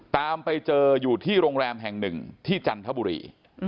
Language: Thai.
ตามไปเจออยู่ที่โรงแรมแห่งหนึ่งที่จันทบุรี